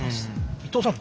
伊藤さん